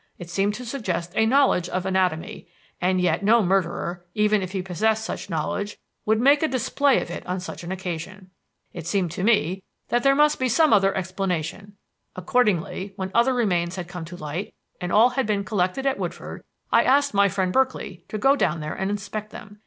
It seemed to suggest a knowledge of anatomy, and yet no murderer, even if he possessed such knowledge, would make a display of it on such an occasion. It seemed to me that there must be some other explanation. Accordingly, when other remains had come to light and all had been collected at Woodford, I asked my friend Berkeley to go down there and inspect them.